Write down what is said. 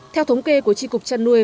theo thống kê của tri cục chăn nuôi